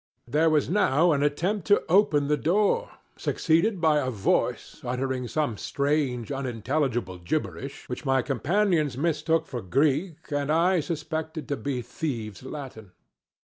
There was now an attempt to open the door, succeeded by a voice uttering some strange, unintelligible gibberish which my companions mistook for Greek and I suspected to be thieves' Latin.